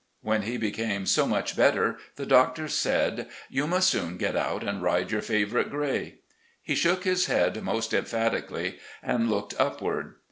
When he became so much better the doctor said, 'You must soon get out and ride your favorite gray!* He shook his head most emphatically and looked upward.